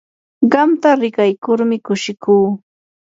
qamta rikaykurmi kushikuu.